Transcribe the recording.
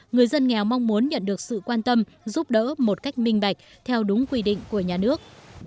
người dân nghèo mong muốn nhận được sự quan tâm giúp đỡ một cách minh bạch theo đúng quy định của nhà nước